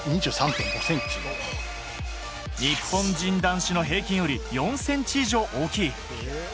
日本人男子の平均より４ｃｍ以上大きい。